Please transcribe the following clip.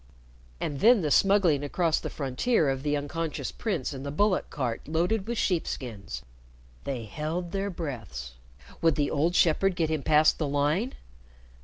And then the smuggling across the frontier of the unconscious prince in the bullock cart loaded with sheepskins! They held their breaths. Would the old shepherd get him past the line!